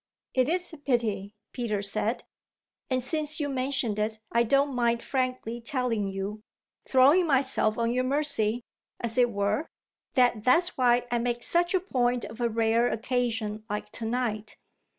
"It is a pity," Peter said; "and since you mention it I don't mind frankly telling you throwing myself on your mercy, as it were that that's why I make such a point of a rare occasion like to night.